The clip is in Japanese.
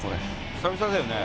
久々だよね。